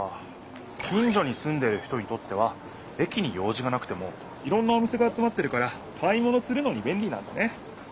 近所にすんでいる人にとっては駅に用じがなくてもいろんなお店が集まってるから買い物するのにべんりなんだね！